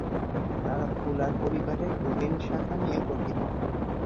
তারা ফুলার পরিবারের প্রবীণ শাখা নিয়ে গঠিত।